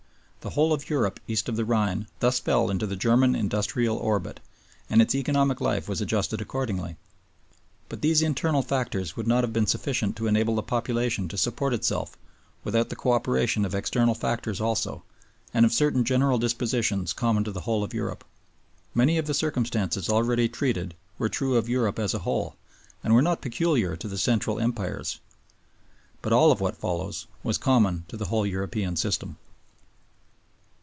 The whole of Europe east of the Rhine thus fell into the German industrial orbit, and its economic life was adjusted accordingly. But these internal factors would not have been sufficient to enable the population to support itself without the co operation of external factors also and of certain general dispositions common to the whole of Europe. Many of the circumstances already treated were true of Europe as a whole, and were not peculiar to the Central Empires. But all of what follows was common to the whole European system.